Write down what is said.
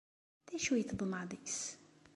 D acu i teḍmeε deg-s?